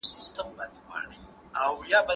اوس مې مینه د ګلونو په هار نه ده